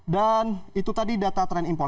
dan itu tadi data tren impor